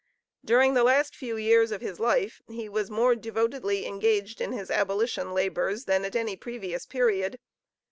During the last few years of his life, he was more devotedly engaged in his abolition labors than at any previous period.